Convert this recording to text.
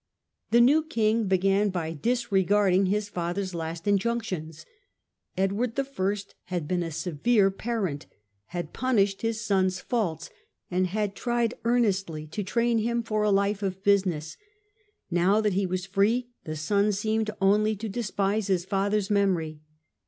The new king began by disr^arding his father's last injunctions. Edward I. had been a severe parent — had punished his son's faults, and had tried ear His diBreeard nestly to train him for a life of business. Now ^^^■ f««»er. that he was free the son seemed only to despise his father's memory.